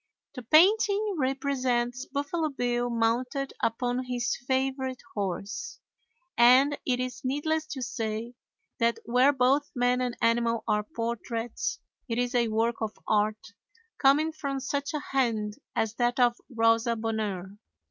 The painting represents Buffalo Bill mounted upon his favorite horse, and it is needless to say that where both man and animal are portraits, it is a work of art coming from such a hand as that of Rosa Bonheur.